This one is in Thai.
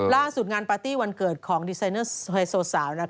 ล่าสุดงานปาร์ตี้วันเกิดของดีไซเนอร์ไฮโซสาว